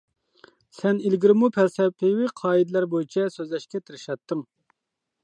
سەن ئىلگىرىمۇ پەلسەپىۋى قائىدىلەر بويىچە سۆزلەشكە تىرىشاتتىڭ.